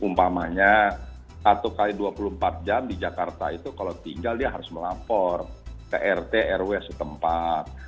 umpamanya satu x dua puluh empat jam di jakarta itu kalau tinggal dia harus melapor ke rt rw setempat